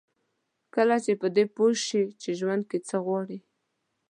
کله چې په دې پوه شئ چې ژوند کې څه غواړئ.